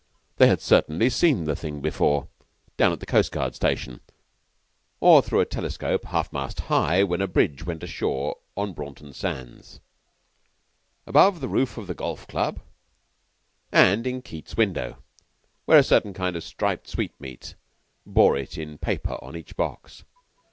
They had certainly seen the thing before down at the coastguard station, or through a telescope, half mast high when a brig went ashore on Braunton Sands; above the roof of the Golf club, and in Keyte's window, where a certain kind of striped sweetmeat bore it in paper on each box.